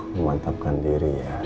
memantapkan diri ya